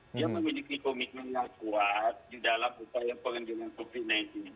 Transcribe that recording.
dia memiliki komitmen yang kuat di dalam upaya pengendalian covid sembilan belas